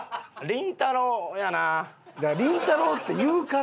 「りんたろー。」って言うからやん。